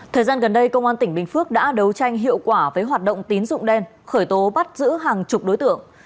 thời gian gần đây công an tỉnh bình phước đã đấu tranh hiệu quả với hoạt động tín dụng đen khởi tố bắt giữ hàng chục đối tượng